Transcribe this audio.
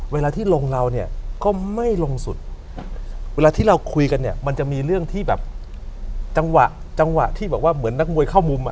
เวลาที่ลงเราก็ไม่ลงสุดเวลาที่เราคุยกันมันจะมีเรื่องที่จังหวะที่เหมือนนักมวยเข้ามุม